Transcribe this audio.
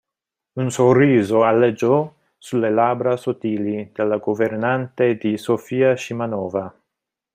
Un sorriso aleggiò sulle labbra sottili della governante di Sofia Scimanova.